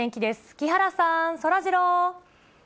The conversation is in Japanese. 木原さん、そらジロー。